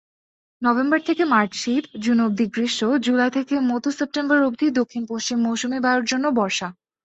November থেকে March শীত, June অবধি গ্রীষ্ম, জুলাই থেকে মধ্য সেপ্টেম্বর অবধি দক্ষিণ পশ্চিম মৌসুমি বায়ুর জন্য বর্ষা।